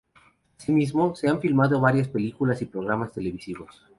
Asimismo, se han filmado varias películas y programas televisivos.